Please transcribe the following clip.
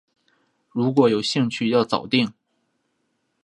如果有兴趣要早定